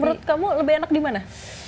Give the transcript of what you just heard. menurut kamu lebih enak di mana